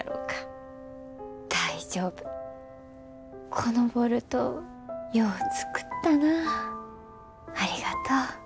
「このボルトよう作ったなありがとう」。